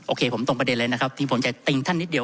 โคผมตรงประเด็นเลยนะครับที่ผมจะติ้งท่านนิดเดียว